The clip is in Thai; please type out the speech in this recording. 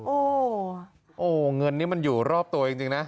โอ้โหเงินนี้มันอยู่รอบตัวจริงนะ